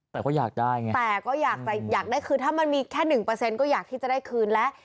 แต่ก็อยากได้ไงแต่ก็อยากจะอยากได้คือถ้ามันมีแค่๑ก็อยากที่จะได้คืนแล้ว